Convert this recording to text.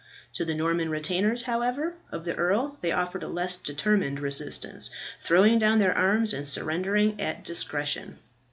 To the Norman retainers, however, of the earl they offered a less determined resistance, throwing down their arms and surrendering at discretion.